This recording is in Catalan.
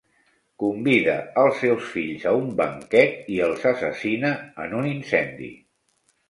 Convida els seus fills a un banquet i els assassina en un incendi.